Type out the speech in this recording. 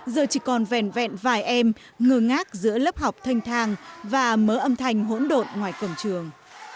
giờ chỉ còn vèn vẹn vài em ngờ ngác giữa lớp học thanh thang và mớ âm thanh hỗn độn ngoài cổng trường